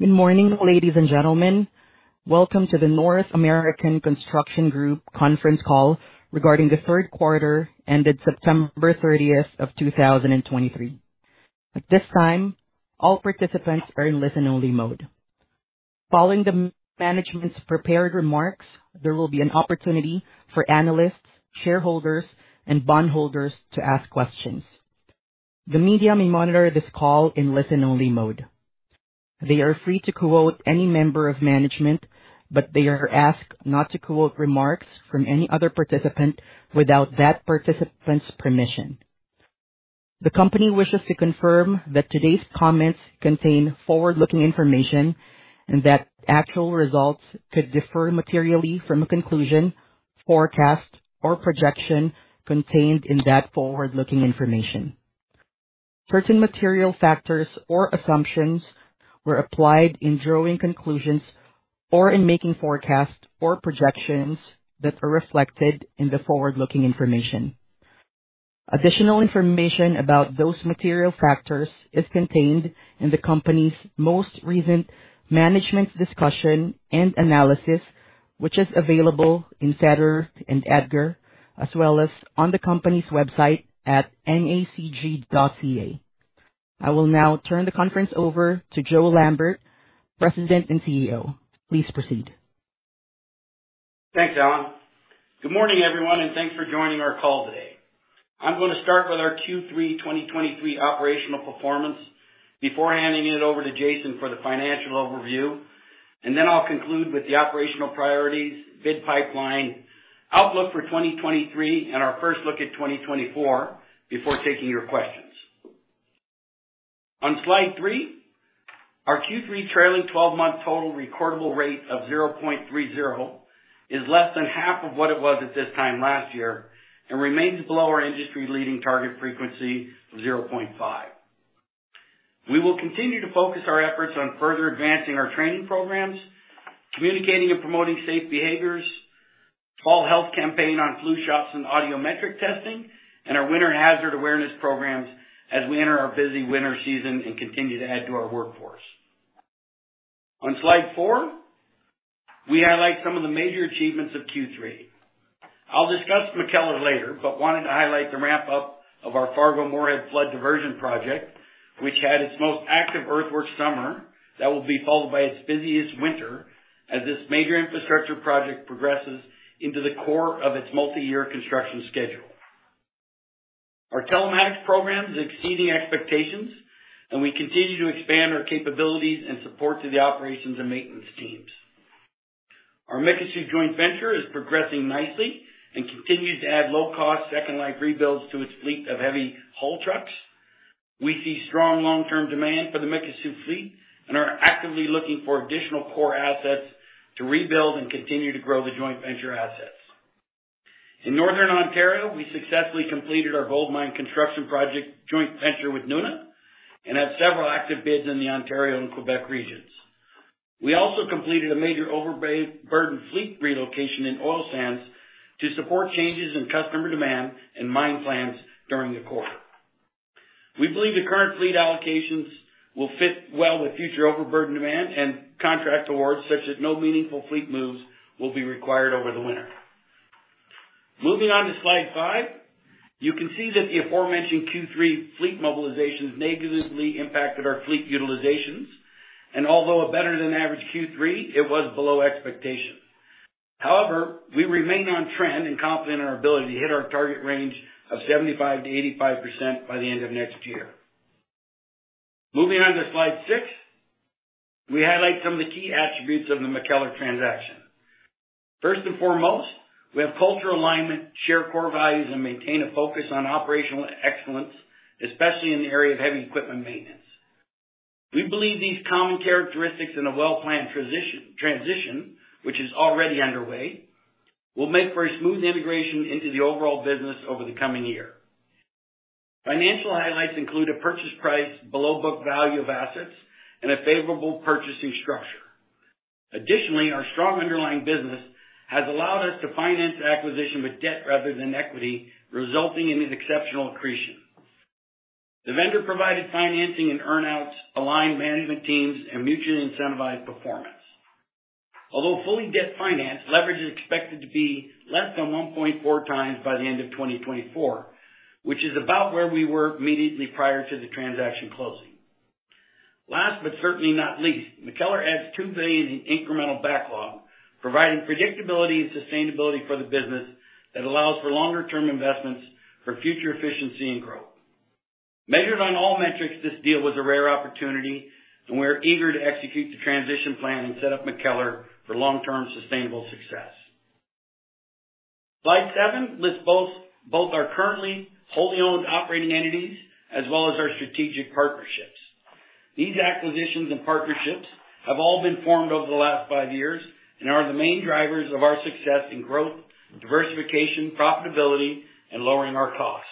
Good morning, ladies and gentlemen. Welcome to the North American Construction Group conference call regarding the third quarter ended September 30 of 2023. At this time, all participants are in listen-only mode. Following the management's prepared remarks, there will be an opportunity for analysts, shareholders, and bondholders to ask questions. The media may monitor this call in listen-only mode. They are free to quote any member of management, but they are asked not to quote remarks from any other participant without that participant's permission. The company wishes to confirm that today's comments contain forward-looking information and that actual results could differ materially from a conclusion, forecast, or projection contained in that forward-looking information. Certain material factors or assumptions were applied in drawing conclusions or in making forecasts or projections that are reflected in the forward-looking information. Additional information about those material factors is contained in the company's most recent management discussion and analysis, which is available in SEDAR and EDGAR, as well as on the company's website at nacg.ca. I will now turn the conference over to Joe Lambert, President and CEO. Please proceed. Thanks, Ellen. Good morning, everyone, and thanks for joining our call today. I'm going to start with our Q3 2023 operational performance before handing it over to Jason for the financial overview, and then I'll conclude with the operational priorities, bid pipeline, outlook for 2023, and our first look at 2024 before taking your questions. On slide 3, our Q3 trailing 12-month total recordable rate of 0.30 is less than half of what it was at this time last year and remains below our industry-leading target frequency of 0.5. We will continue to focus our efforts on further advancing our training programs, communicating and promoting safe behaviors, fall health campaign on flu shots and audiometric testing, and our winter hazard awareness programs as we enter our busy winter season and continue to add to our workforce. On slide four, we highlight some of the major achievements of Q3. I'll discuss MacKellar later, but wanted to highlight the wrap-up of our Fargo-Moorhead Flood Diversion project, which had its most active earthwork summer. That will be followed by its busiest winter as this major infrastructure project progresses into the core of its multi-year construction schedule. Our telematics program is exceeding expectations, and we continue to expand our capabilities and support to the operations and maintenance teams. Our Mikisew joint venture is progressing nicely and continues to add low-cost, second-life rebuilds to its fleet of heavy haul trucks. We see strong long-term demand for the Mikisew fleet and are actively looking for additional core assets to rebuild and continue to grow the joint venture assets. In Northern Ontario, we successfully completed our gold mine construction project joint venture with Nuna and have several active bids in the Ontario and Quebec regions. We also completed a major overburden fleet relocation in Oil Sands to support changes in customer demand and mine plans during the quarter. We believe the current fleet allocations will fit well with future overburden demand and contract awards, such that no meaningful fleet moves will be required over the winter. Moving on to slide 5, you can see that the aforementioned Q3 fleet mobilizations negatively impacted our fleet utilizations, and although a better-than-average Q3, it was below expectations. However, we remain on trend and confident in our ability to hit our target range of 75%-85% by the end of next year. Moving on to slide 6, we highlight some of the key attributes of the MacKellar transaction. First and foremost, we have cultural alignment, share core values, and maintain a focus on operational excellence, especially in the area of heavy equipment maintenance. We believe these common characteristics in a well-planned transition, which is already underway, will make for a smooth integration into the overall business over the coming year. Financial highlights include a purchase price below book value of assets and a favorable purchasing structure. Additionally, our strong underlying business has allowed us to finance the acquisition with debt rather than equity, resulting in an exceptional accretion. The vendor provided financing and earn-outs, aligned management teams, and mutually incentivized performance. Although fully debt-financed, leverage is expected to be less than 1.4 times by the end of 2024, which is about where we were immediately prior to the transaction closing. Last, but certainly not least, MacKellar adds 2 billion in incremental backlog, providing predictability and sustainability for the business that allows for longer-term investments for future efficiency and growth. Measured on all metrics, this deal was a rare opportunity, and we are eager to execute the transition plan and set up MacKellar for long-term sustainable success. Slide seven lists both our currently wholly owned operating entities as well as our strategic partnerships. These acquisitions and partnerships have all been formed over the last five years and are the main drivers of our success in growth, diversification, profitability, and lowering our costs.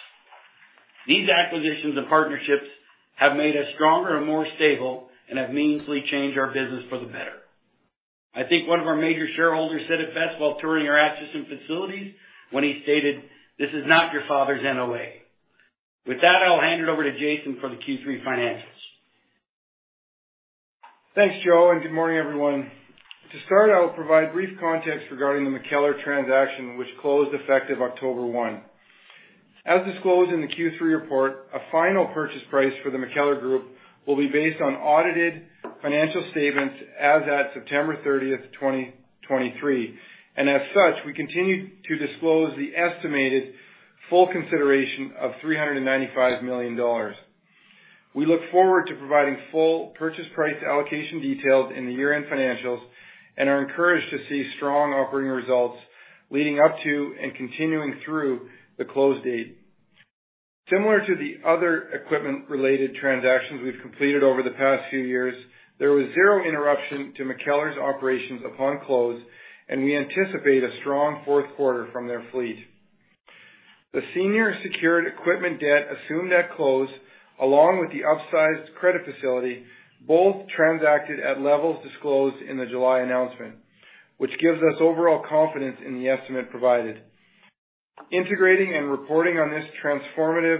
These acquisitions and partnerships have made us stronger and more stable and have meaningfully changed our business for the better.... I think one of our major shareholders said it best while touring our Acheson facilities when he stated, "This is not your father's NOA." With that, I'll hand it over to Jason for the Q3 financials. Thanks, Joe, and good morning, everyone. To start out, I'll provide brief context regarding the MacKellar transaction, which closed effective October 1. As disclosed in the Q3 report, a final purchase price for the MacKellar Group will be based on audited financial statements as at September 30, 2023. As such, we continue to disclose the estimated full consideration of 395 million dollars. We look forward to providing full purchase price allocation details in the year-end financials and are encouraged to see strong operating results leading up to and continuing through the close date. Similar to the other equipment-related transactions we've completed over the past few years, there was zero interruption to MacKellar's operations upon close, and we anticipate a strong fourth quarter from their fleet. The senior secured equipment debt assumed at close, along with the upsized credit facility, both transacted at levels disclosed in the July announcement, which gives us overall confidence in the estimate provided. Integrating and reporting on this transformative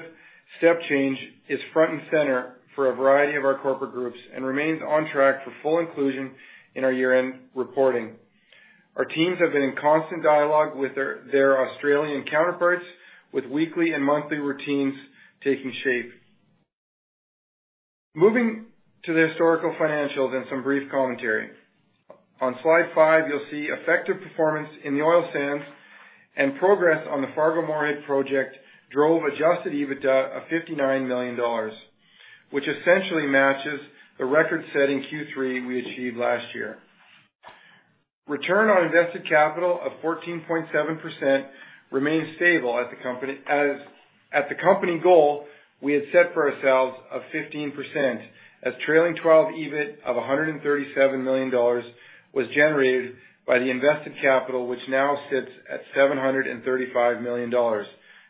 step change is front and center for a variety of our corporate groups and remains on track for full inclusion in our year-end reporting. Our teams have been in constant dialogue with their Australian counterparts, with weekly and monthly routines taking shape. Moving to the historical financials and some brief commentary. On slide 5, you'll see effective performance in the oil sands, and progress on the Fargo-Moorhead project drove Adjusted EBITDA of 59 million dollars, which essentially matches the record-setting Q3 we achieved last year. Return on invested capital of 14.7% remains stable at the company goal we had set for ourselves of 15%, as trailing-twelve EBIT of 137 million dollars was generated by the invested capital, which now sits at 735 million dollars,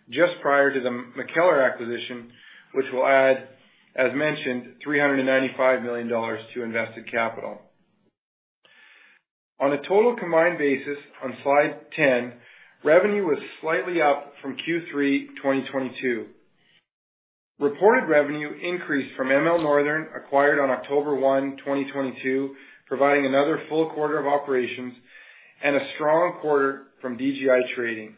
just prior to the MacKellar acquisition, which will add, as mentioned, 395 million dollars to invested capital. On a total combined basis, on slide 10, revenue was slightly up from Q3 2022. Reported revenue increased from ML Northern, acquired on October 1, 2022, providing another full quarter of operations and a strong quarter from DGI Trading.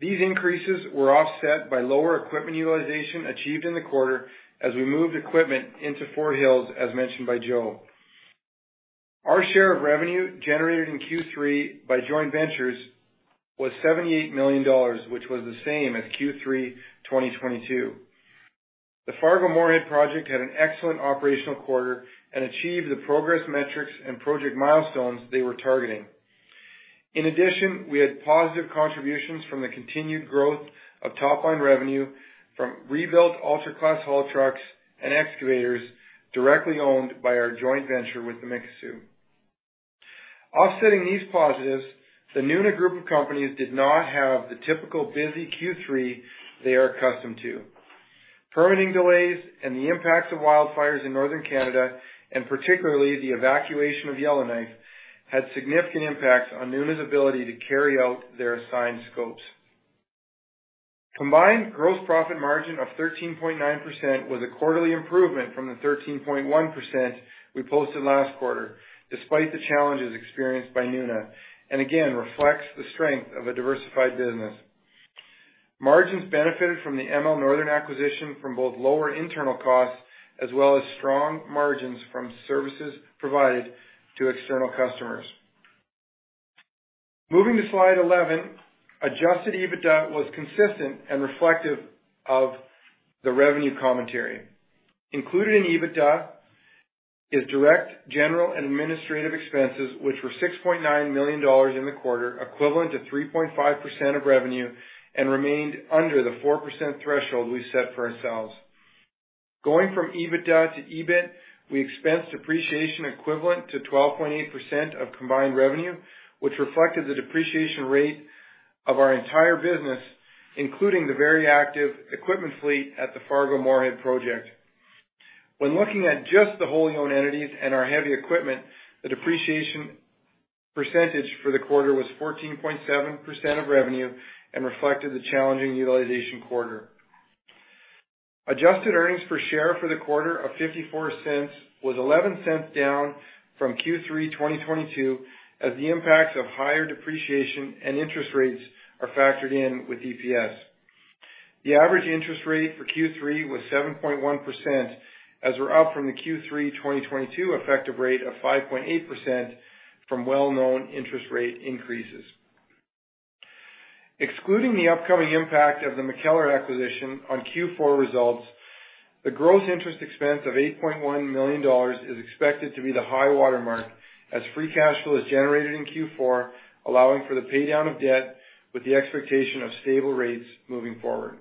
These increases were offset by lower equipment utilization achieved in the quarter as we moved equipment into Fort Hills, as mentioned by Joe. Our share of revenue generated in Q3 by joint ventures was 78 million dollars, which was the same as Q3 2022. The Fargo-Moorhead project had an excellent operational quarter and achieved the progress metrics and project milestones they were targeting. In addition, we had positive contributions from the continued growth of top-line revenue from rebuilt ultra-class haul trucks and excavators directly owned by our joint venture with Mikisew. Offsetting these positives, the Nuna Group of Companies did not have the typical busy Q3 they are accustomed to. Permitting delays and the impacts of wildfires in northern Canada, and particularly the evacuation of Yellowknife, had significant impacts on Nuna's ability to carry out their assigned scopes. Combined gross profit margin of 13.9% was a quarterly improvement from the 13.1% we posted last quarter, despite the challenges experienced by Nuna, and again, reflects the strength of a diversified business. Margins benefited from the ML Northern acquisition from both lower internal costs as well as strong margins from services provided to external customers. Moving to slide 11, Adjusted EBITDA was consistent and reflective of the revenue commentary. Included in EBITDA is direct, general, and administrative expenses, which were 6.9 million dollars in the quarter, equivalent to 3.5% of revenue, and remained under the 4% threshold we set for ourselves. Going from EBITDA to EBIT, we expensed depreciation equivalent to 12.8% of combined revenue, which reflected the depreciation rate of our entire business, including the very active equipment fleet at the Fargo-Moorhead project. When looking at just the wholly owned entities and our heavy equipment, the depreciation percentage for the quarter was 14.7% of revenue and reflected the challenging utilization quarter. Adjusted earnings per share for the quarter of 0.54 was 0.11 down from Q3 2022, as the impacts of higher depreciation and interest rates are factored in with EPS. The average interest rate for Q3 was 7.1%, as we're up from the Q3 2022 effective rate of 5.8% from well-known interest rate increases. Excluding the upcoming impact of the MacKellar acquisition on Q4 results, the gross interest expense of 8.1 million dollars is expected to be the high watermark as free cash flow is generated in Q4, allowing for the paydown of debt with the expectation of stable rates moving forward.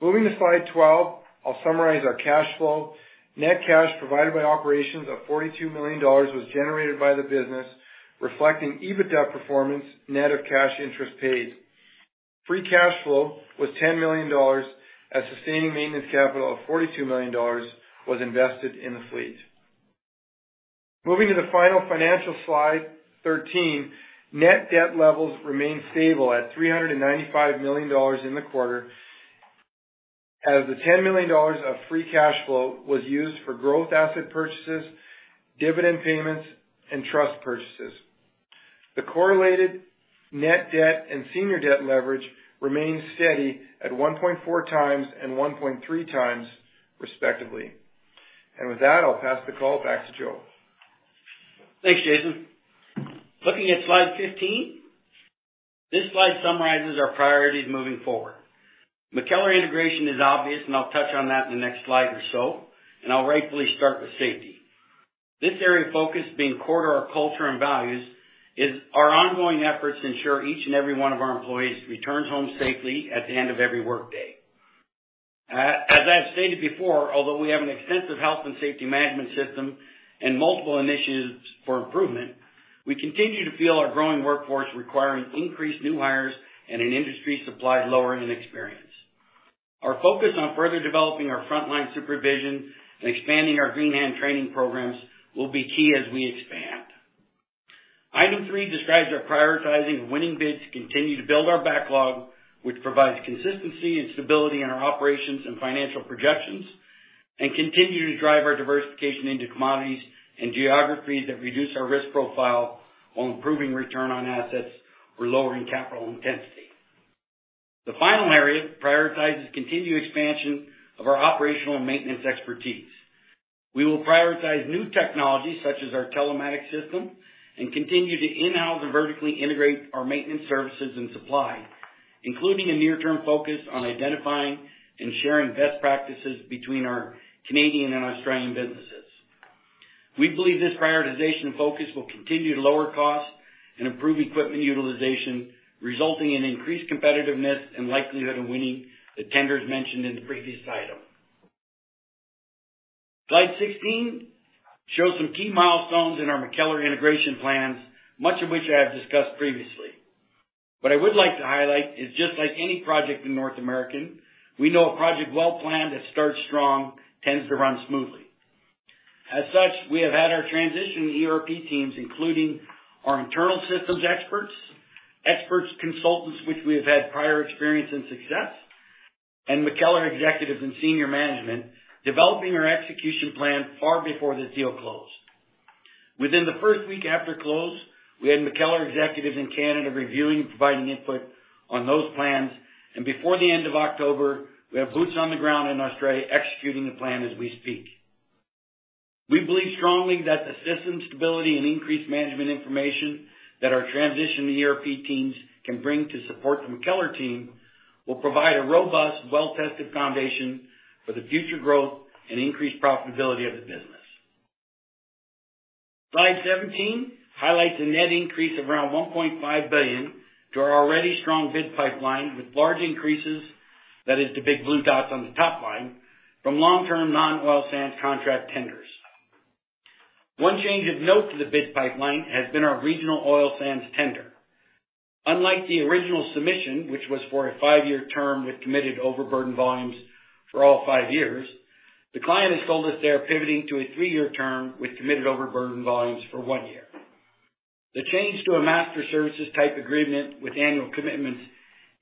Moving to slide 12, I'll summarize our cash flow. Net cash provided by operations of 42 million dollars was generated by the business, reflecting EBITDA performance net of cash interest paid. Free cash flow was 10 million dollars, as sustaining maintenance capital of 42 million dollars was invested in the fleet. Moving to the final financial slide 13, net debt levels remained stable at 395 million dollars in the quarter, as the 10 million dollars of free cash flow was used for growth asset purchases, dividend payments, and trust purchases. The correlated net debt and senior debt leverage remains steady at 1.4 times and 1.3 times, respectively. With that, I'll pass the call back to Joe. Thanks, Jason. Looking at slide 15, this slide summarizes our priorities moving forward. MacKellar integration is obvious, and I'll touch on that in the next slide or so, and I'll rightfully start with safety. This area of focus, being core to our culture and values, is our ongoing efforts to ensure each and every one of our employees returns home safely at the end of every workday. As I've stated before, although we have an extensive health and safety management system and multiple initiatives for improvement, we continue to feel our growing workforce requiring increased new hires and an industry supply lower in experience. Our focus on further developing our frontline supervision and expanding our green hand training programs will be key as we expand. Item three describes our prioritizing winning bids to continue to build our backlog, which provides consistency and stability in our operations and financial projections, and continuing to drive our diversification into commodities and geographies that reduce our risk profile while improving return on assets or lowering capital intensity. The final area prioritizes continued expansion of our operational and maintenance expertise. We will prioritize new technologies such as our telematics system and continue to in-house and vertically integrate our maintenance services and supply, including a near-term focus on identifying and sharing best practices between our Canadian and Australian businesses. We believe this prioritization focus will continue to lower costs and improve equipment utilization, resulting in increased competitiveness and likelihood of winning the tenders mentioned in the previous item. Slide 16 shows some key milestones in our MacKellar integration plans, much of which I have discussed previously. What I would like to highlight is, just like any project in North American, we know a project well-planned that starts strong tends to run smoothly. As such, we have had our transition ERP teams, including our internal systems experts, experts consultants, which we have had prior experience and success, and MacKellar executives and senior management, developing our execution plan far before the deal closed. Within the first week after close, we had MacKellar executives in Canada reviewing and providing input on those plans, and before the end of October, we have boots on the ground in Australia executing the plan as we speak. We believe strongly that the system stability and increased management information that our transition to ERP teams can bring to support the MacKellar team will provide a robust, well-tested foundation for the future growth and increased profitability of the business. Slide 17 highlights a net increase of around 1.5 billion to our already strong bid pipeline, with large increases, that is, the big blue dots on the top line, from long-term, non-oil sands contract tenders. One change of note to the bid pipeline has been our regional oil sands tender. Unlike the original submission, which was for a five-year term with committed overburden volumes for all five years, the client has told us they are pivoting to a three-year term with committed overburden volumes for one year. The change to a master services type agreement with annual commitments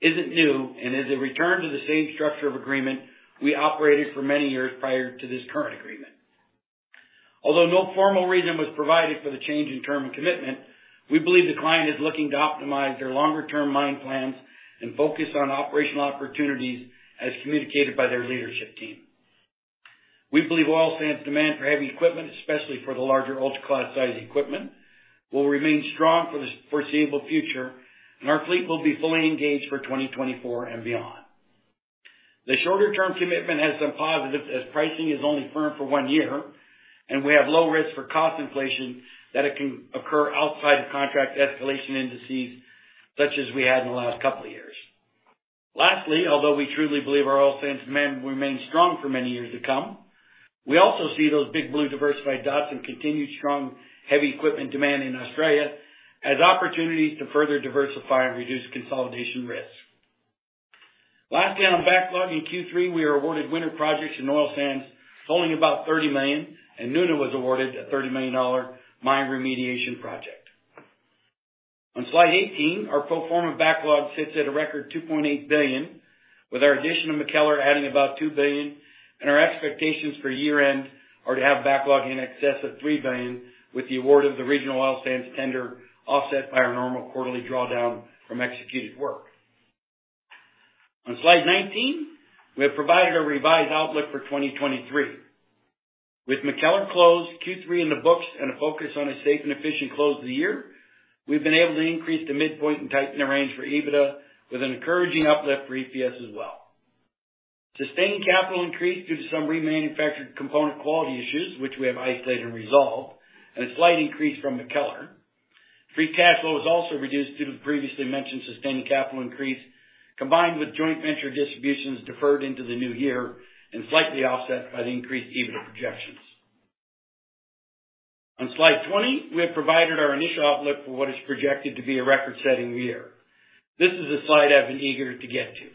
isn't new and is a return to the same structure of agreement we operated for many years prior to this current agreement. Although no formal reason was provided for the change in term and commitment, we believe the client is looking to optimize their longer-term mine plans and focus on operational opportunities as communicated by their leadership team. We believe oil sands demand for heavy equipment, especially for the larger ultra class size equipment, will remain strong for the foreseeable future, and our fleet will be fully engaged for 2024 and beyond. The shorter-term commitment has been positive, as pricing is only firm for one year, and we have low risk for cost inflation that it can occur outside the contract escalation indices, such as we had in the last couple of years. Lastly, although we truly believe our oil sands demand will remain strong for many years to come, we also see those big blue diversified dots and continued strong heavy equipment demand in Australia as opportunities to further diversify and reduce consolidation risk. Lastly, on backlog, in Q3, we were awarded winter projects in oil sands totaling about 30 million, and Nuna was awarded a 30 million dollar mine remediation project. On slide 18, our pro forma backlog sits at a record 2.8 billion, with our addition to MacKellar adding about 2 billion, and our expectations for year-end are to have backlog in excess of 3 billion, with the award of the regional oil sands tender offset by our normal quarterly drawdown from executed work. On slide 19, we have provided a revised outlook for 2023. With MacKellar closed, Q3 in the books, and a focus on a safe and efficient close of the year, we've been able to increase the midpoint and tighten the range for EBITDA with an encouraging uplift for EPS as well. Sustaining capital increased due to some remanufactured component quality issues, which we have isolated and resolved, and a slight increase from MacKellar. Free cash flow was also reduced due to the previously mentioned sustaining capital increase, combined with joint venture distributions deferred into the new year and slightly offset by the increased EBITDA projections. On slide 20, we have provided our initial outlook for what is projected to be a record-setting year. This is a slide I've been eager to get to.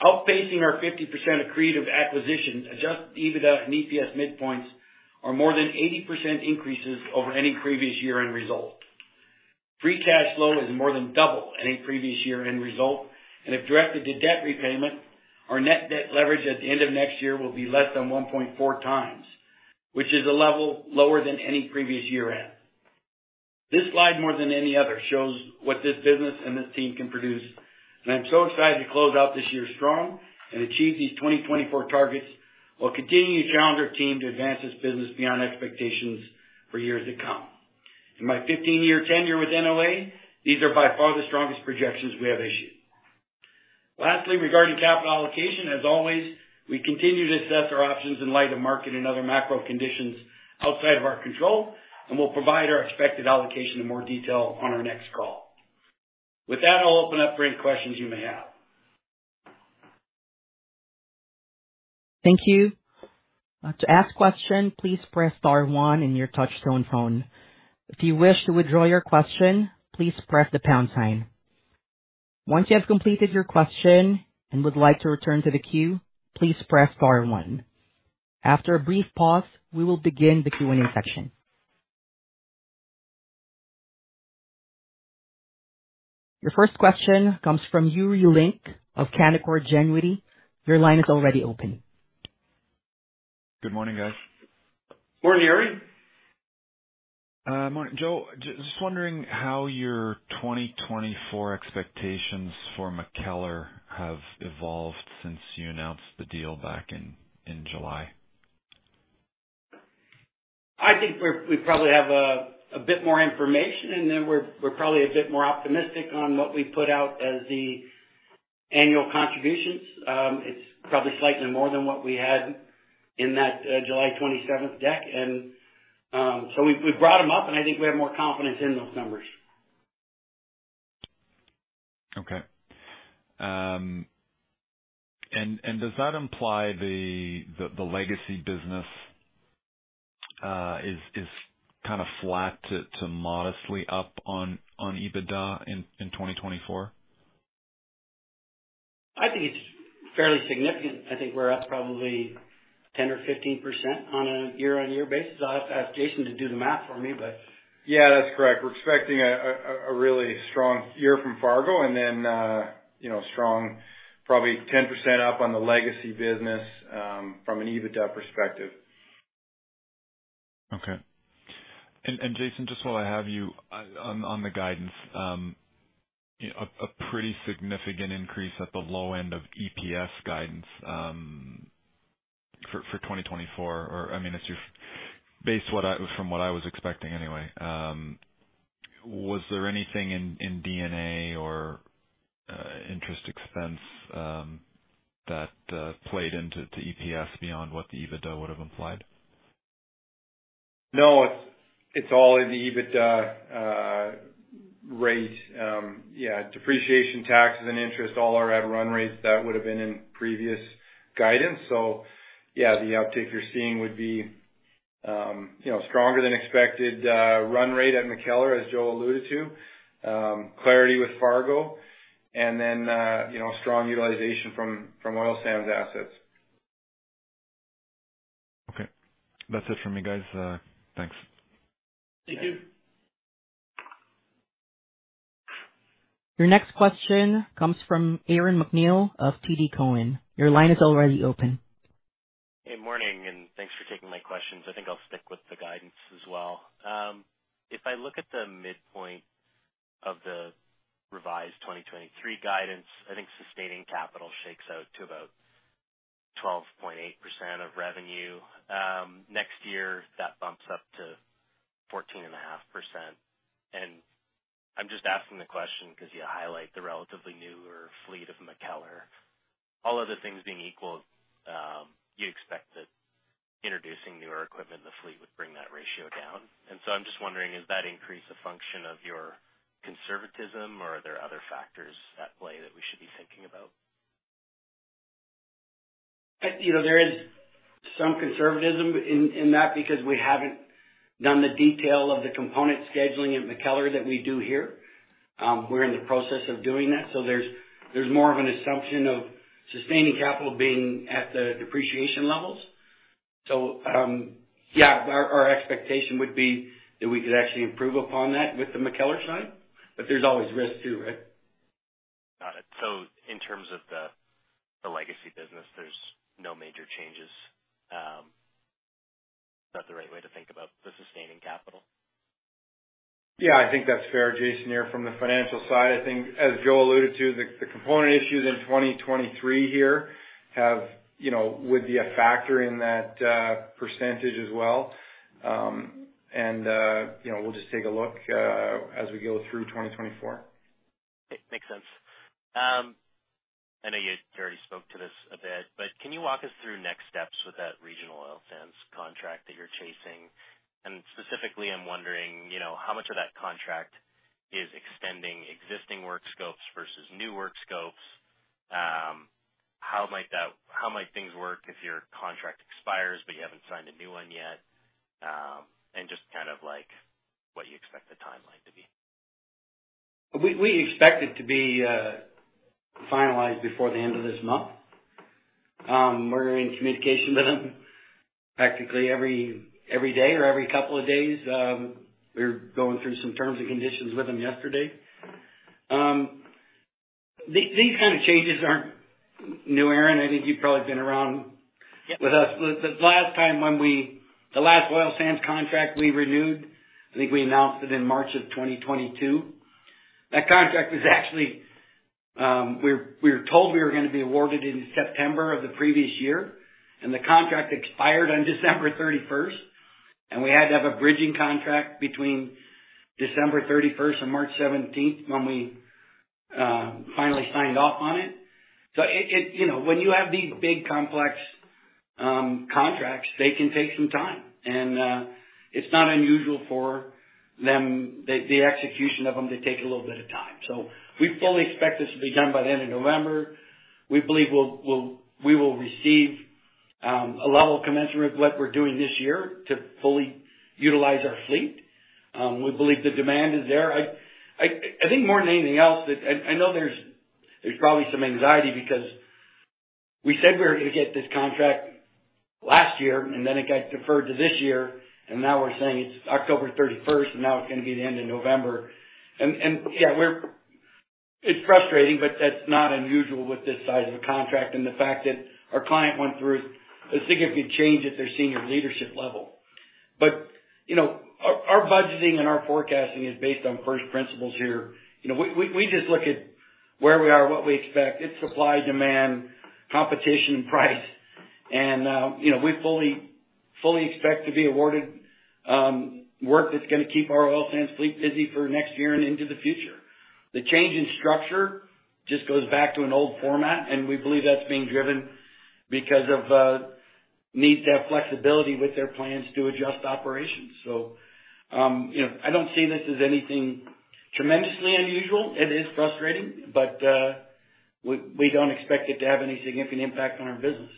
Outpacing our 50% accretive acquisition, adjusted EBITDA and EPS midpoints are more than 80% increases over any previous year-end result. Free cash flow is more than double any previous year-end result, and if directed to debt repayment, our net debt leverage at the end of next year will be less than 1.4 times, which is a level lower than any previous year end. This slide, more than any other, shows what this business and this team can produce, and I'm so excited to close out this year strong and achieve these 2024 targets, while continuing to challenge our team to advance this business beyond expectations for years to come. In my 15-year tenure with NOA, these are by far the strongest projections we have issued. Lastly, regarding capital allocation, as always, we continue to assess our options in light of market and other macro conditions outside of our control, and we'll provide our expected allocation in more detail on our next call. With that, I'll open up for any questions you may have. Thank you. To ask question, please press star one in your touchtone phone. If you wish to withdraw your question, please press the pound sign. Once you have completed your question and would like to return to the queue, please press star one. After a brief pause, we will begin the Q&A section. Your first question comes from Yuri Lynk of Canaccord Genuity. Your line is already open. Good morning, guys. Morning, Yuri. Morning, Joe. Just wondering how your 2024 expectations for MacKellar have evolved since you announced the deal back in July. I think we probably have a bit more information, and then we're probably a bit more optimistic on what we put out as the annual contributions. It's probably slightly more than what we had in that July 27th deck. And so we've brought them up, and I think we have more confidence in those numbers. Okay. And does that imply the legacy business is kind of flat to modestly up on EBITDA in 2024? I think it's fairly significant. I think we're up probably 10% or 15% on a year-on-year basis. I'll have to ask Jason to do the math for me, but- Yeah, that's correct. We're expecting a really strong year from Fargo and then, you know, strong, probably 10% up on the legacy business, from an EBITDA perspective. Okay. And Jason, just while I have you on the guidance, a pretty significant increase at the low end of EPS guidance for 2024, or, I mean, it's your—based what I, from what I was expecting anyway. Was there anything in D&A or interest expense that played into the EPS beyond what the EBITDA would have implied? No, it's all in the EBITDA rate. Yeah, depreciation, taxes, and interest, all are at run rates that would have been in previous guidance. So yeah, the uptick you're seeing would be, you know, stronger than expected run rate at MacKellar, as Joe alluded to. Clarity with Fargo, and then, you know, strong utilization from Oil Sands assets. Okay. That's it for me, guys. Thanks. Thank you. Your next question comes from Aaron MacNeil of TD Cowen. Your line is already open. Hey, morning, and thanks for taking my questions. I think I'll stick with the guidance as well. If I look at the midpoint of the revised 2023 guidance, I think sustaining capital shakes out to about 12.8% of revenue. Next year, that bumps up to 14.5%. I'm just asking the question because you highlight the relatively newer fleet of MacKellar. All other things being equal, you expect that introducing newer equipment in the fleet would bring that ratio down. So I'm just wondering, does that increase the function of your conservatism, or are there other factors at play that we should be thinking about? I—you know, there is some conservatism in, in that, because we haven't done the detail of the component scheduling at MacKellar that we do here. We're in the process of doing that, so there's, there's more of an assumption of sustaining capital being at the depreciation levels. So, yeah, our, our expectation would be that we could actually improve upon that with the MacKellar side, but there's always risk too, right? Got it. So in terms of the, the legacy business, there's no major changes, is that the right way to think about the Sustaining Capital? Yeah, I think that's fair, Jason, here from the financial side. I think, as Joe alluded to, the component issues in 2023 here have, you know, would be a factor in that percentage as well. And you know, we'll just take a look as we go through 2024. Makes sense. I know you, you already spoke to this a bit, but can you walk us through next steps with that regional oil sands contract that you're chasing? And specifically, I'm wondering, you know, how much of that contract is extending existing work scopes versus new work scopes? Like that, how might things work if your contract expires but you haven't signed a new one yet? And just kind of like, what you expect the timeline to be. We expect it to be finalized before the end of this month. We're in communication with them practically every day or every couple of days. We're going through some terms and conditions with them yesterday. These kind of changes aren't new, Aaron. I think you've probably been around- Yeah. with us. The last time when we—the last oil sands contract we renewed, I think we announced it in March 2022. That contract was actually, we were told we were gonna be awarded in September of the previous year, and the contract expired on December 31. And we had to have a bridging contract between December 31 and March 17, when we finally signed off on it. So it—you know, when you have these big, complex contracts, they can take some time. And it's not unusual for them... the execution of them to take a little bit of time. So we fully expect this to be done by the end of November. We believe we'll—we will receive a level of commencement with what we're doing this year to fully utilize our fleet. We believe the demand is there. I think more than anything else, that I know there's probably some anxiety because we said we were gonna get this contract last year, and then it got deferred to this year, and now we're saying it's October 31st, and now it's gonna be the end of November. And yeah, we're—it's frustrating, but that's not unusual with this size of a contract and the fact that our client went through a significant change at their senior leadership level. But, you know, our budgeting and our forecasting is based on first principles here. You know, we just look at where we are, what we expect. It's supply, demand, competition, and price. And, you know, we fully, fully expect to be awarded work that's gonna keep our oil sands fleet busy for next year and into the future. The change in structure just goes back to an old format, and we believe that's being driven because of need to have flexibility with their plans to adjust operations. So, you know, I don't see this as anything tremendously unusual. It is frustrating, but we, we don't expect it to have any significant impact on our business.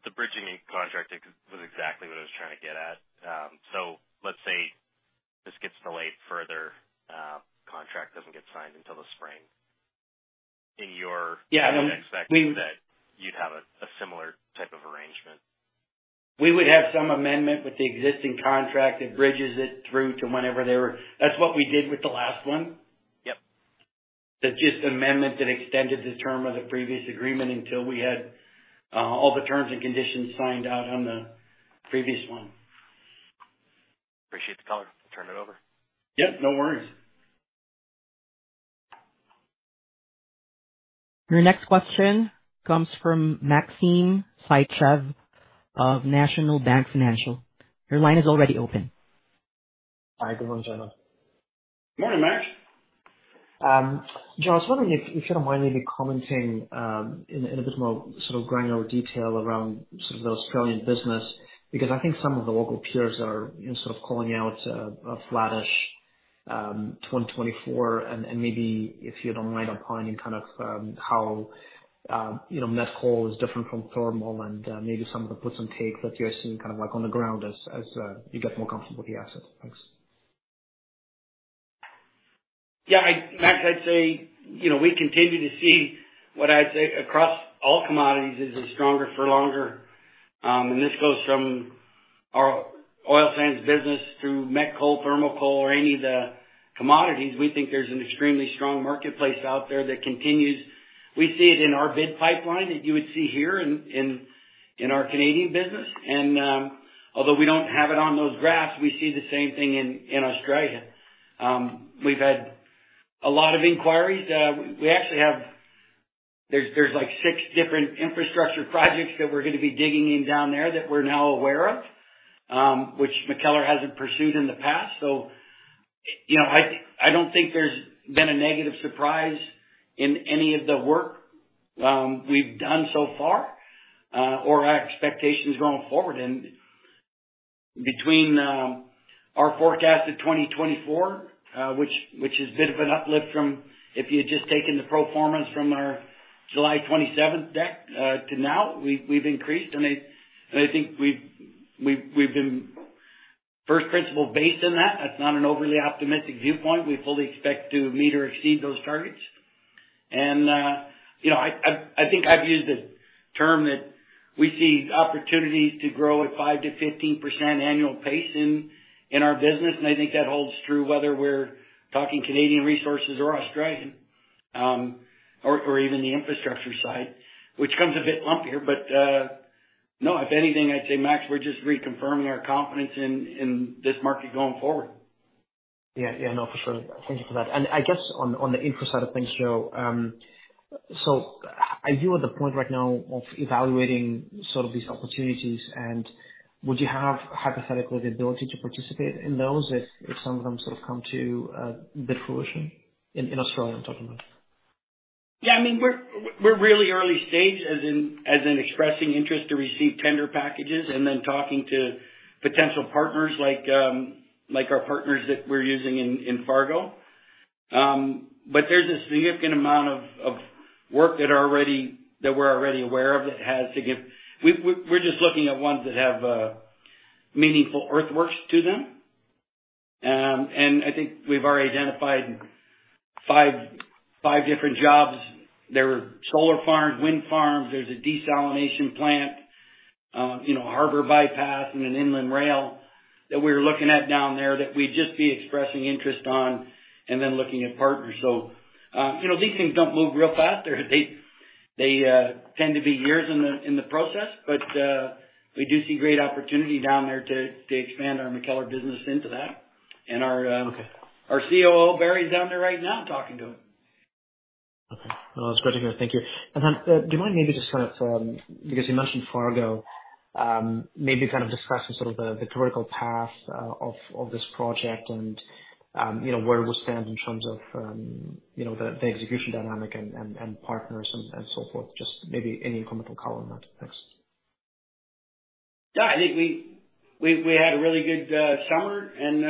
The bridging contract was exactly what I was trying to get at. So let's say this gets delayed further, contract doesn't get signed until the spring. In your- Yeah. expectation that you'd have a, a similar type of arrangement. We would have some amendment with the existing contract that bridges it through to whenever they were... That's what we did with the last one. Yep. So, just amendment that extended the term of the previous agreement until we had all the terms and conditions signed out on the previous one. Appreciate the color. Turn it over. Yep, no worries. Your next question comes from Maxim Sytchev of National Bank Financial. Your line is already open. Hi, good morning, gentlemen. Morning, Max. Joe, I was wondering if you don't mind maybe commenting in a bit more sort of granular detail around sort of the Australian business, because I think some of the local peers are sort of calling out a flattish 2024. And maybe if you don't mind upon any kind of how you know met coal is different from thermal and maybe some of the puts and takes that you're seeing kind of like on the ground as you get more comfortable with the assets. Thanks. Yeah. Max, I'd say, you know, we continue to see what I'd say across all commodities is a stronger for longer. And this goes from our oil sands business through met coal, thermal coal, or any of the commodities. We think there's an extremely strong marketplace out there that continues. We see it in our bid pipeline that you would see here in our Canadian business. And, although we don't have it on those graphs, we see the same thing in Australia. We've had a lot of inquiries. We actually have... like, six different infrastructure projects that we're going to be digging in down there that we're now aware of, which MacKellar hasn't pursued in the past. So, you know, I don't think there's been a negative surprise in any of the work we've done so far or our expectations going forward. Between our forecast to 2024, which is a bit of an uplift from if you had just taken the pro formas from our July 27th deck to now, we've increased, and I think we've been first principle based in that. That's not an overly optimistic viewpoint. We fully expect to meet or exceed those targets. You know, I think I've used the term that we see opportunities to grow at 5%-15% annual pace in our business, and I think that holds true whether we're talking Canadian resources or Australian or even the infrastructure side, which comes a bit lumpier. No, if anything, I'd say, Max, we're just reconfirming our confidence in, in this market going forward. Yeah, yeah. No, for sure. Thank you for that. And I guess on, on the info side of things, Joe, so are you at the point right now of evaluating sort of these opportunities? And would you have, hypothetically, the ability to participate in those if, if some of them sort of come to bear fruition in, in Australia, I'm talking about? Yeah, I mean, we're really early stage as in expressing interest to receive tender packages and then talking to potential partners like our partners that we're using in Fargo. But there's a significant amount of work that we're already aware of. We're just looking at ones that have meaningful earthworks to them. And I think we've already identified five different jobs. There are solar farms, wind farms, there's a desalination plant, you know, a harbor bypass and an inland rail that we're looking at down there that we'd just be expressing interest on and then looking at partners. So, you know, these things don't move real fast. They tend to be years in the process, but we do see great opportunity down there to expand our MacKellar business into that. And our— Okay. Our COO, Barry, is down there right now talking to them. Okay. Well, that's great to hear. Thank you. And then, do you mind maybe just kind of, because you mentioned Fargo, maybe kind of discuss the sort of the, the critical path, of, of this project and, you know, where it stands in terms of, you know, the, the execution dynamic and, and, and partners and, and so forth, just maybe any incremental color on that. Thanks. Yeah, I think we had a really good summer, and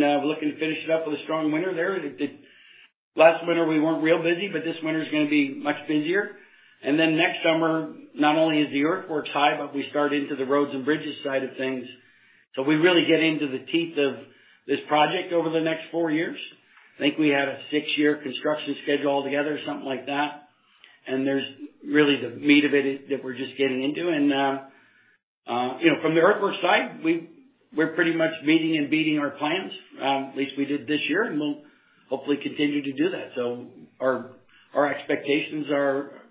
we're looking to finish it up with a strong winter there. The last winter we weren't real busy, but this winter's gonna be much busier. And then next summer, not only is the earthworks high, but we start into the roads and bridges side of things. So we really get into the teeth of this project over the next four years. I think we had a six-year construction schedule altogether, something like that. And there's really the meat of it that we're just getting into. And you know, from the earthworks side, we're pretty much meeting and beating our plans, at least we did this year, and we'll hopefully continue to do that. So our expectations are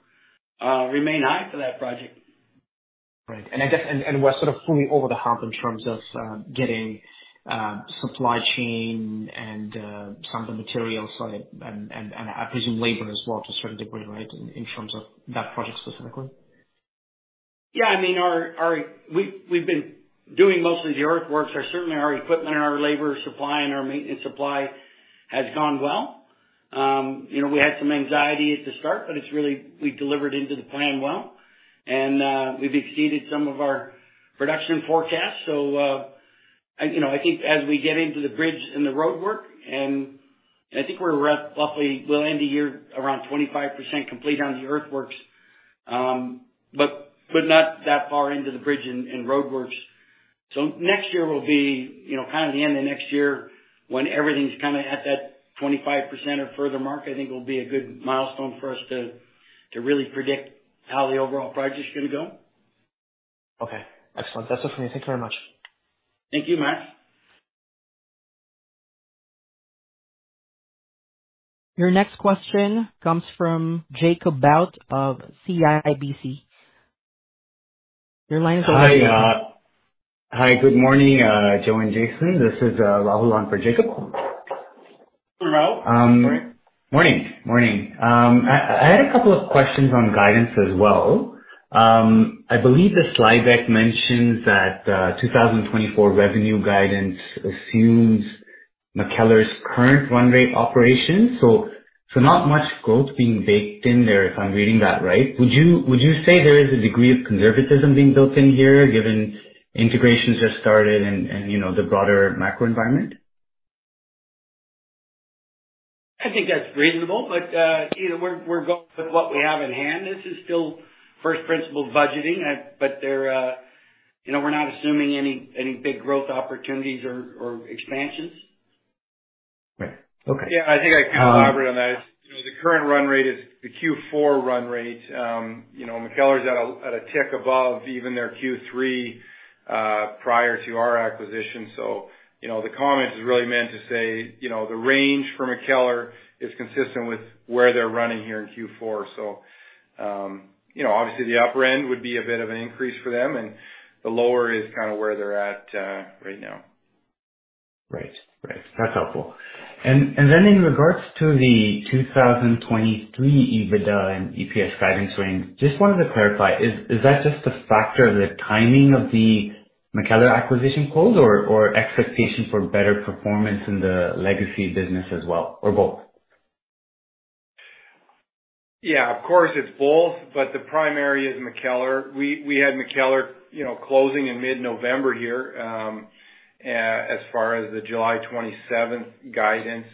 remain high for that project. Right. And I guess we're sort of fully over the hump in terms of getting supply chain and some of the material side and I presume labor as well, to a certain degree, right? In terms of that project specifically. Yeah, I mean, our. We've been doing most of the earthworks, so certainly our equipment and our labor supply and our maintenance supply has gone well. You know, we had some anxiety at the start, but it's really, we delivered into the plan well, and we've exceeded some of our production forecasts. So, you know, I think as we get into the bridge and the roadwork, and I think we're at roughly, we'll end the year around 25% complete on the earthworks, but not that far into the bridge and roadworks. So next year will be, you know, kind of the end of next year, when everything's kind of at that 25% or further mark, I think it'll be a good milestone for us to really predict how the overall project is going to go. Okay. Excellent. That's it for me. Thank you very much. Thank you, Max.. Your next question comes from Jacob Bout of CIBC. Your line is open. Hi, hi, good morning, Joe and Jason. This is, Rahul on for Jacob. Rahul, good morning. Morning, morning. I had a couple of questions on guidance as well. I believe the slide deck mentions that 2024 revenue guidance assumes MacKellar's current run rate operations, so not much growth being baked in there, if I'm reading that right. Would you say there is a degree of conservatism being built in here, given integration has just started and, you know, the broader macro environment? I think that's reasonable, but, you know, we're going with what we have in hand. This is still first principle budgeting, but there, you know, we're not assuming any big growth opportunities or expansions. Right. Okay. Yeah, I think I can elaborate on that. You know, the current run rate is the Q4 run rate. You know, MacKellar is at a tick above even their Q3, prior to our acquisition. So, you know, the comment is really meant to say, you know, the range for MacKellar is consistent with where they're running here in Q4. So, you know, obviously, the upper end would be a bit of an increase for them, and the lower is kind of where they're at, right now. Right. Right. That's helpful. And, and then in regards to the 2023 EBITDA and EPS guidance range, just wanted to clarify, is, is that just a factor of the timing of the MacKellar acquisition close or, or expectation for better performance in the legacy business as well, or both? Yeah, of course, it's both, but the primary is MacKellar. We had MacKellar, you know, closing in mid-November here, as far as the July 27 guidance,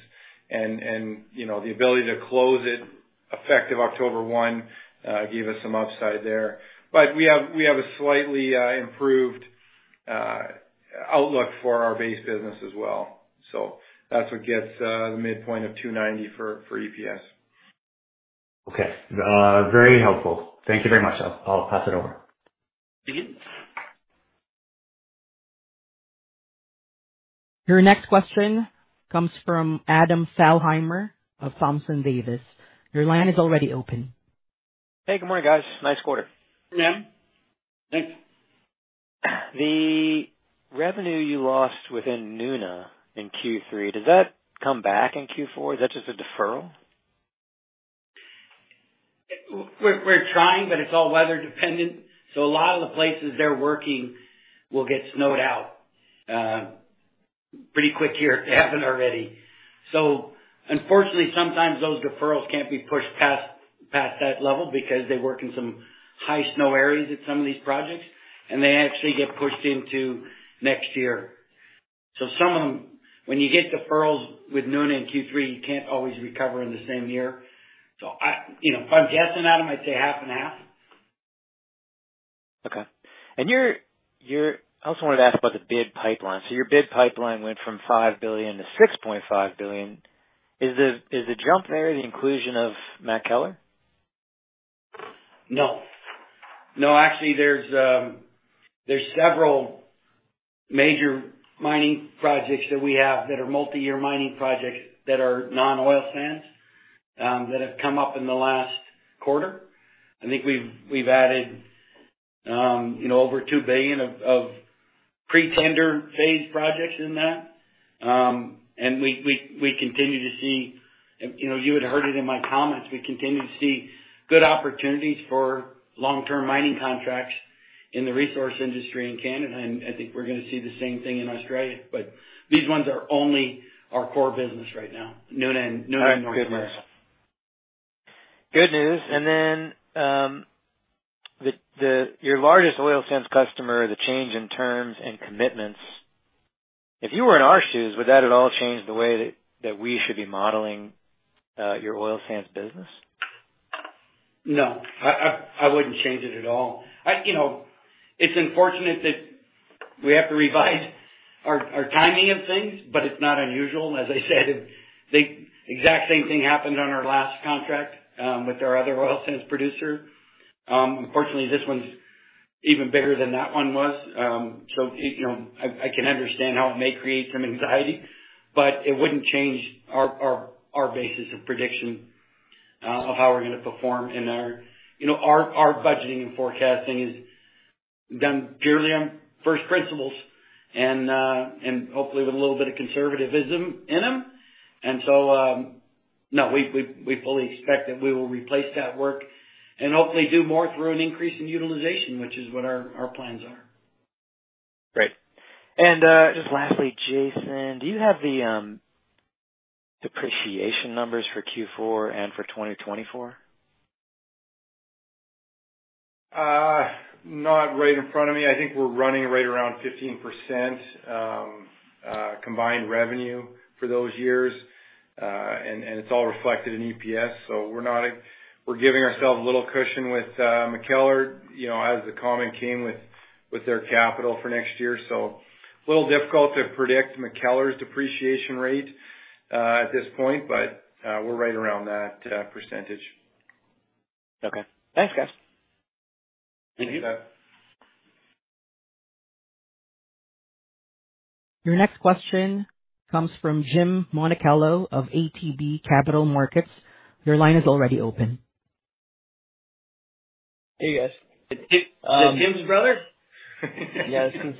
and you know, the ability to close it effective October 1 gave us some upside there. But we have a slightly improved outlook for our base business as well. So that's what gets the midpoint of 2.90 for EPS. Okay. Very helpful. Thank you very much. I'll pass it over. Thank you. Your next question comes from Adam Thalhimer of Thompson Davis. Your line is already open. Hey, good morning, guys. Nice quarter. Yeah. Thanks. The revenue you lost within Nuna in Q3, does that come back in Q4? Is that just a deferral? We're trying, but it's all weather dependent, so a lot of the places they're working will get snowed out pretty quick here. It hasn't already. So unfortunately, sometimes those deferrals can't be pushed past that level because they work in some high snow areas at some of these projects, and they actually get pushed into next year. So some of them, when you get the furloughs with Nuna in Q3, you can't always recover in the same year. So I, you know, if I'm guessing, Adam, I'd say half and half. Okay. I also wanted to ask about the bid pipeline. Your bid pipeline went from 5 billion to 6.5 billion. Is the jump there the inclusion of MacKellar? No. No, actually, there's several major mining projects that we have that are multi-year mining projects that are non-oil sands that have come up in the last quarter. I think we've added, you know, over 2 billion of pre-tender phase projects in that. And we continue to see, you know, you had heard it in my comments, we continue to see good opportunities for long-term mining contracts in the resource industry in Canada, and I think we're going to see the same thing in Australia. But these ones are only our core business right now, Nuna and North American. Good news. And then, your largest oil sands customer, the change in terms and commitments. If you were in our shoes, would that at all change the way that we should be modeling your oil sands business? No, I wouldn't change it at all. You know, it's unfortunate that we have to revise our timing of things, but it's not unusual. As I said, the exact same thing happened on our last contract with our other oil sands producer. Unfortunately, this one's even bigger than that one was. So, you know, I can understand how it may create some anxiety, but it wouldn't change our basis of prediction of how we're going to perform in our... You know, our budgeting and forecasting is done purely on first principles and hopefully with a little bit of conservatism in them. And so, no, we fully expect that we will replace that work and hopefully do more through an increase in utilization, which is what our plans are. Great. Just lastly, Jason, do you have the depreciation numbers for Q4 and for 2024? Not right in front of me. I think we're running right around 15%, combined revenue for those years. And it's all reflected in EPS. So we're not—we're giving ourselves a little cushion with MacKellar, you know, as the comment came with their capital for next year. So a little difficult to predict MacKellar's depreciation rate at this point, but we're right around that percentage. Okay. Thanks, guys. Thank you. You bet. Your next question comes from Tim Monachello of ATB Capital Markets. Your line is already open. Hey, guys. Is that Jim's brother? Yeah, it's his,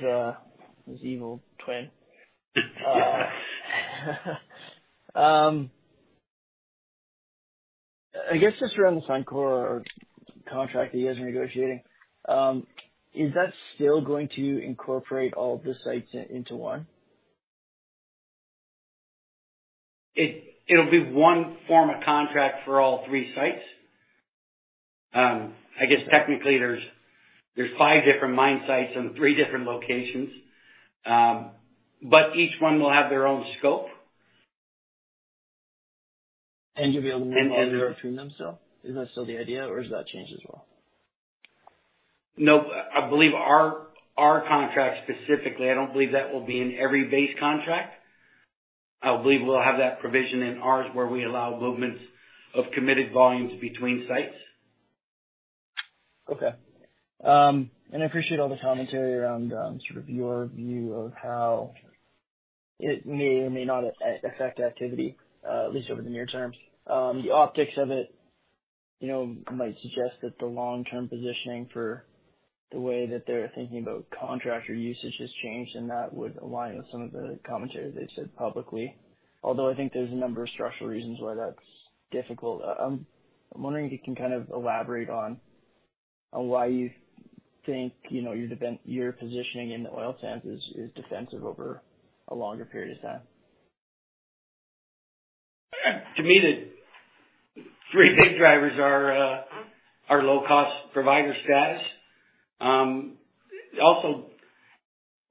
his evil twin. I guess just around the Suncor contract that you guys are negotiating, is that still going to incorporate all the sites into one? It'll be one form of contract for all three sites. I guess technically, there's five different mine sites in three different locations, but each one will have their own scope. And you'll be able to move- And, and- Between themselves. Is that still the idea or has that changed as well? No, I believe our contract specifically, I don't believe that will be in every base contract. I believe we'll have that provision in ours, where we allow movements of committed volumes between sites. Okay. And I appreciate all the commentary around sort of your view of how it may or may not affect activity at least over the near term. The optics of it, you know, might suggest that the long-term positioning for the way that they're thinking about contractor usage has changed, and that would align with some of the commentary they've said publicly. Although I think there's a number of structural reasons why that's difficult. I'm wondering if you can kind of elaborate on why you think, you know, your positioning in the oil sands is defensive over a longer period of time. To me, the three big drivers are low-cost provider status. Also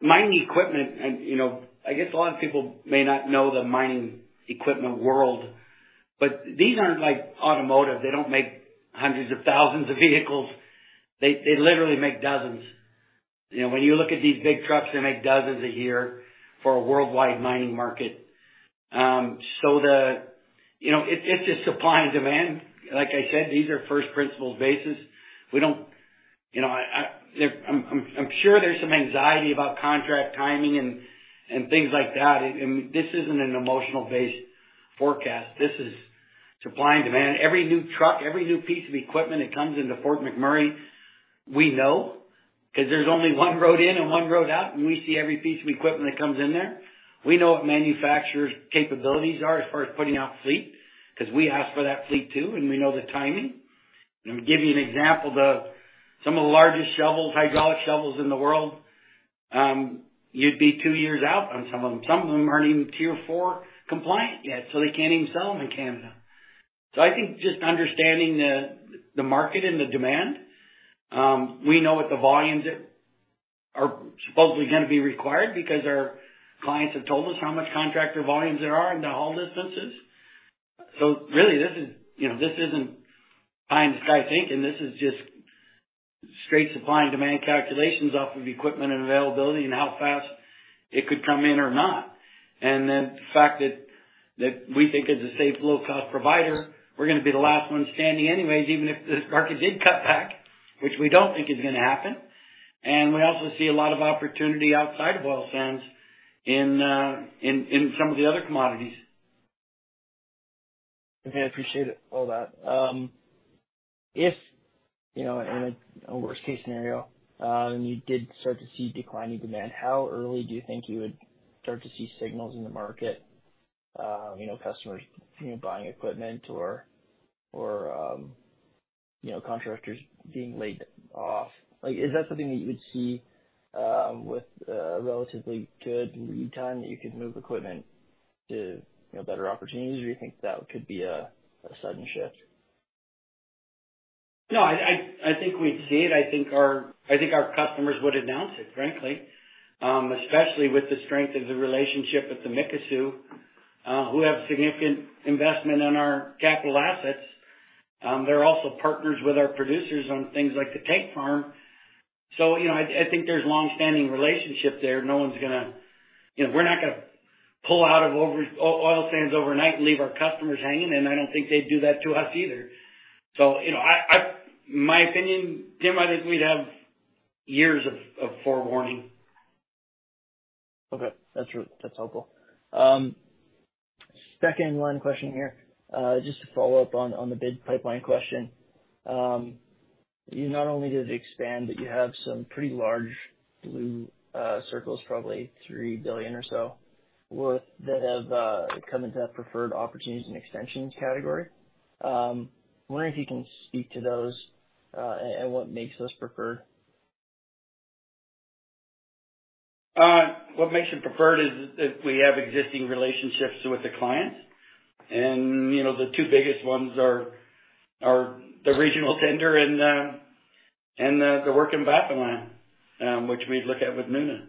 mining equipment, and, you know, I guess a lot of people may not know the mining equipment world, but these aren't like automotive. They don't make hundreds of thousands of vehicles. They literally make dozens. You know, when you look at these big trucks, they make dozens a year for a worldwide mining market. So the... You know, it's just supply and demand. Like I said, these are first principles basis. You know, I'm sure there's some anxiety about contract timing and things like that, and this isn't an emotional based forecast. This is supply and demand. Every new truck, every new piece of equipment that comes into Fort McMurray, we know, because there's only one road in and one road out, and we see every piece of equipment that comes in there. We know what manufacturers' capabilities are as far as putting out fleet, because we ask for that fleet, too, and we know the timing. Let me give you an example, some of the largest shovels, hydraulic shovels in the world, you'd be two years out on some of them. Some of them aren't even Tier 4 compliant yet, so they can't even sell them in Canada. So I think just understanding the market and the demand, we know what the volumes are supposedly going to be required because our clients have told us how much contractor volumes there are in the haul distances. So really, this is, you know, this isn't trying to overthink, and this is just straight supply and demand calculations off of equipment and availability and how fast it could come in or not. And then the fact that we think is a safe, low-cost provider, we're gonna be the last one standing anyways, even if the market did cut back, which we don't think is gonna happen. And we also see a lot of opportunity outside of oil sands in some of the other commodities. Okay, I appreciate it, all that. If, you know, in a worst-case scenario, and you did start to see declining demand, how early do you think you would start to see signals in the market? You know, customers, you know, buying equipment or, you know, contractors being laid off. Like, is that something that you would see with a relatively good lead time, that you could move equipment to, you know, better opportunities, or you think that could be a sudden shift? No, I think we'd see it. I think our customers would announce it, frankly. Especially with the strength of the relationship with the Mikisew, who have significant investment in our capital assets. They're also partners with our producers on things like the tank farm. So, you know, I think there's long-standing relationship there. No one's gonna... You know, we're not gonna pull out of oil sands overnight and leave our customers hanging, and I don't think they'd do that to us either. So, you know, my opinion, Tim, I think we'd have years of forewarning. Okay. That's helpful. Second question here. Just to follow up on the bid pipeline question. You not only did it expand, but you have some pretty large blue circles, probably 3 billion or so, that have come into that preferred opportunities and extensions category. Wondering if you can speak to those, and what makes those preferred? What makes them preferred is that we have existing relationships with the clients. And, you know, the two biggest ones are the regional tender and the work in Blackwater, which we'd look at with Nuna.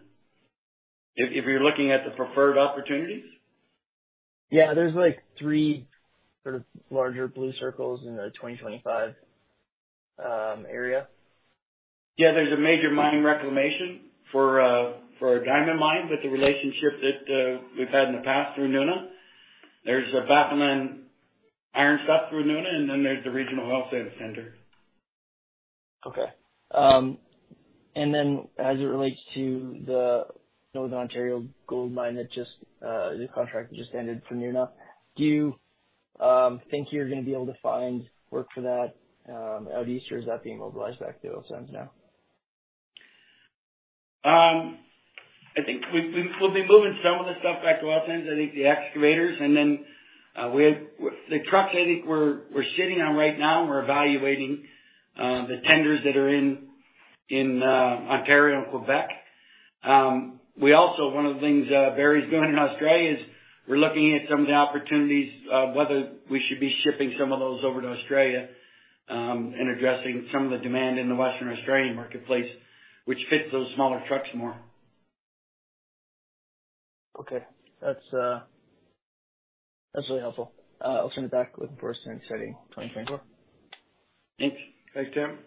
If you're looking at the preferred opportunities? Yeah. There's, like, three sort of larger blue circles in the 2025 area. Yeah. There's a major mining reclamation for a diamond mine, with the relationship that we've had in the past through Nuna. There's a backlog iron stuff through Nuna, and then there's the regional oil sands tender. Okay. And then as it relates to the Northern Ontario gold mine, the contract just ended for Nuna, do you think you're gonna be able to find work for that, out east, or is that being mobilized back to oil sands now? I think we'll be moving some of the stuff back to oil sands. I think the excavators and then we have the trucks. I think we're sitting on right now. We're evaluating the tenders that are in Ontario and Quebec. We also, one of the things Barry's doing in Australia is, we're looking at some of the opportunities whether we should be shipping some of those over to Australia and addressing some of the demand in the Western Australian marketplace, which fits those smaller trucks more. Okay. That's, that's really helpful. I'll send it back, looking forward to setting 2024. Thanks. Thanks, Tim.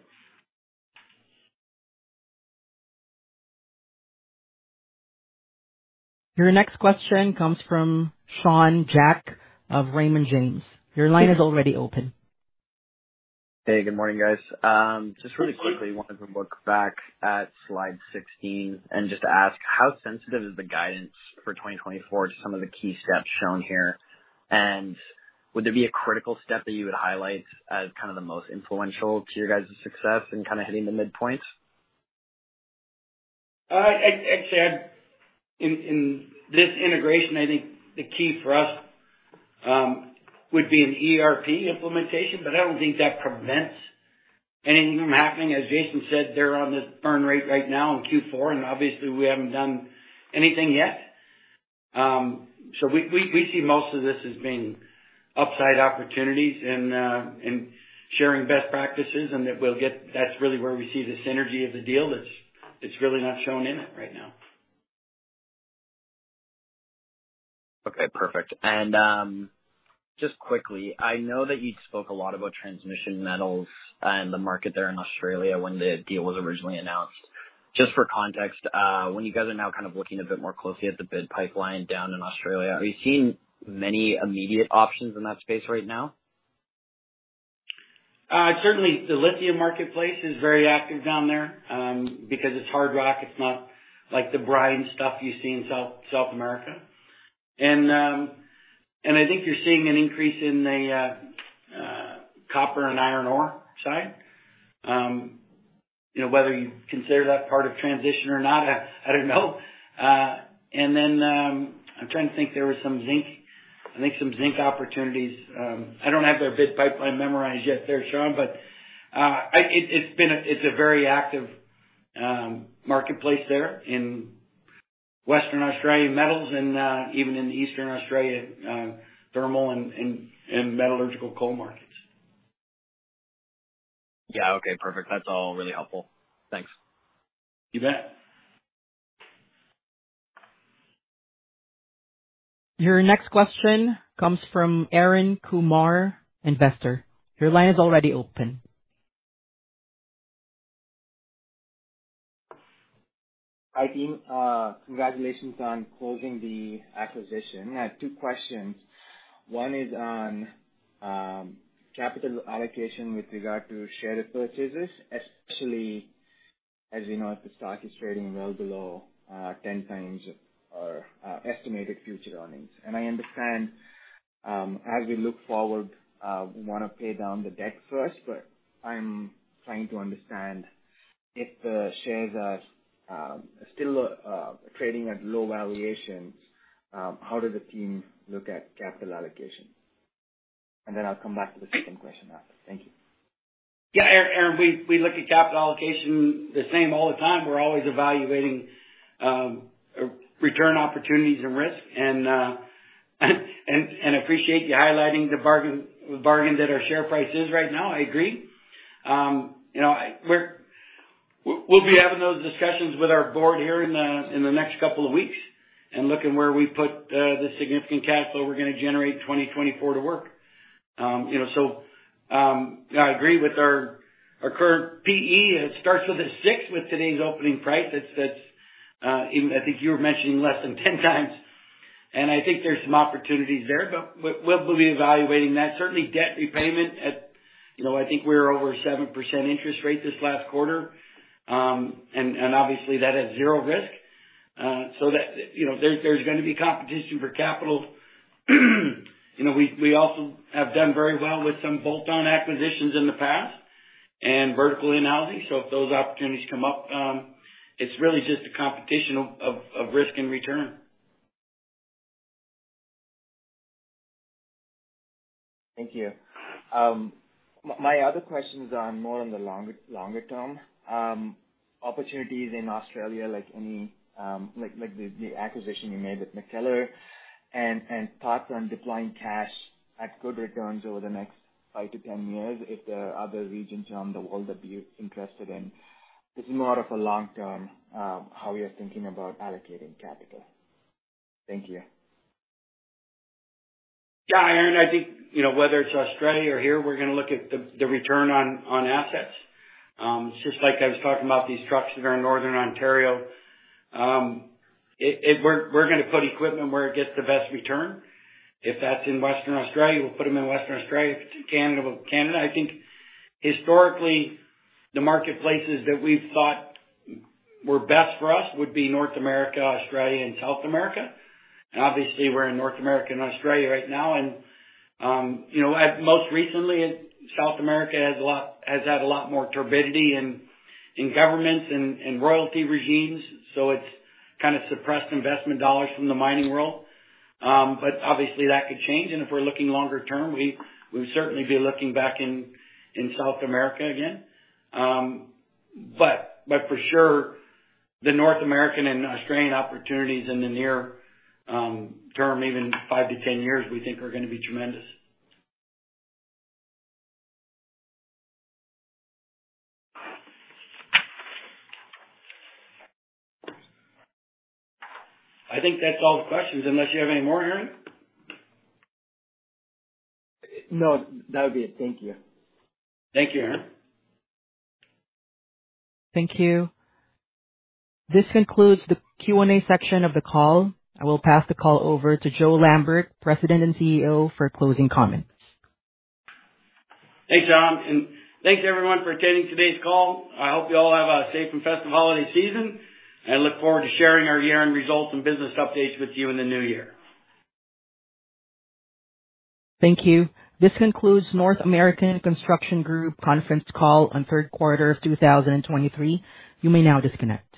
Your next question comes from Sean Jack of Raymond James. Your line is already open. Hey, good morning, guys. Just really- Thank you. Quickly wanted to look back at slide 16 and just ask: How sensitive is the guidance for 2024 to some of the key steps shown here? And would there be a critical step that you would highlight as kind of the most influential to your guys' success in kind of hitting the midpoints? I'd say, in this integration, I think the key for us would be an ERP implementation, but I don't think that prevents anything from happening. As Jason said, they're on this burn rate right now in Q4, and obviously, we haven't done anything yet. So we see most of this as being upside opportunities and sharing best practices, and that we'll get... That's really where we see the synergy of the deal. That's - it's really not shown in it right now. Okay, perfect. Just quickly, I know that you spoke a lot about transition metals and the market there in Australia when the deal was originally announced. Just for context, when you guys are now kind of looking a bit more closely at the bid pipeline down in Australia, are you seeing many immediate options in that space right now? Certainly the lithium marketplace is very active down there, because it's hard rock. It's not like the brine stuff you see in South America. And I think you're seeing an increase in the copper and iron ore side. You know, whether you consider that part of transition or not, I don't know. And then I'm trying to think. There was some zinc, I think some zinc opportunities. I don't have the bid pipeline memorized yet there, Sean, but it's been a very active marketplace there in Western Australia, metals and even in Eastern Australia, thermal and metallurgical coal markets. Yeah. Okay, perfect. That's all really helpful. Thanks. You bet. Your next question comes from Arun Kumar, investor. Your line is already open. Hi, team. Congratulations on closing the acquisition. I have two questions. One is on capital allocation with regard to share purchases, especially as we know, the stock is trading well below 10x our estimated future earnings. And I understand, as we look forward, we wanna pay down the debt first, but I'm trying to understand if the shares are still trading at low valuations, how does the team look at capital allocation? And then I'll come back to the second question after. Thank you. Yeah, Aaron, we look at capital allocation the same all the time. We're always evaluating return opportunities and risk, and appreciate you highlighting the bargain that our share price is right now. I agree. You know, we'll be having those discussions with our board here in the next couple of weeks, and looking where we put the significant capital we're gonna generate in 2024 to work. You know, so I agree with our current PE, it starts with a 6 with today's opening price. That's even I think you were mentioning less than 10 times, and I think there's some opportunities there, but we'll be evaluating that. Certainly, debt repayment at, you know, I think we're over 7% interest rate this last quarter. Obviously, that has zero risk. So that, you know, there's gonna be competition for capital. You know, we also have done very well with some bolt-on acquisitions in the past and vertical analogy. So if those opportunities come up, it's really just a competition of risk and return. Thank you. My other question is on more on the longer term, opportunities in Australia, like any, like, like the acquisition you made with MacKellar and thoughts on deploying cash at good returns over the next 5-10 years, if there are other regions around the world that you're interested in. This is more of a long-term, how you're thinking about allocating capital. Thank you. Yeah, Aaron, I think, you know, whether it's Australia or here, we're gonna look at the return on assets. It's just like I was talking about these trucks that are in Northern Ontario. We're gonna put equipment where it gets the best return. If that's in Western Australia, we'll put them in Western Australia. If it's Canada, we'll Canada. I think historically, the marketplaces that we've thought were best for us would be North America, Australia, and South America, and obviously we're in North America and Australia right now. And, you know, at most recently, South America has had a lot more turbulence in governments and royalty regimes, so it's kind of suppressed investment dollars from the mining world. But obviously, that could change, and if we're looking longer term, we, we'd certainly be looking back in South America again. But for sure, the North American and Australian opportunities in the near term, even 5-10 years, we think are gonna be tremendous. I think that's all the questions, unless you have any more, Aaron? No, that would be it. Thank you. Thank you, Arun. Thank you. This concludes the Q&A section of the call. I will pass the call over to Joe Lambert, President and CEO, for closing comments. Hey, Sean, and thanks, everyone, for attending today's call. I hope you all have a safe and festive holiday season, and I look forward to sharing our year-end results and business updates with you in the new year. Thank you. This concludes North American Construction Group conference call on third quarter of 2023. You may now disconnect.